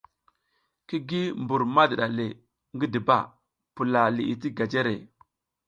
Ki gi mbur madiɗa le ngidiba, pula liʼi ti gajere.